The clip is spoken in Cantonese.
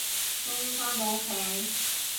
終於，返到屋企